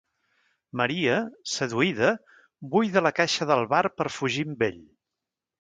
Maria, seduïda, buida la caixa del bar per fugir amb ell.